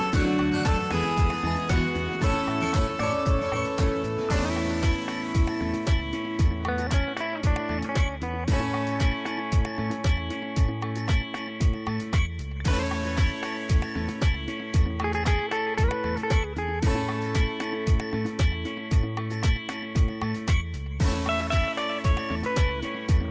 สวัสดีครับ